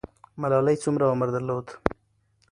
ملالۍ څومره عمر درلود؟